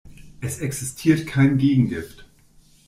Es existiert kein Gegengift.